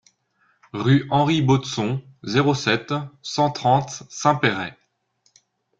Rue Henri Baudson, zéro sept, cent trente Saint-Péray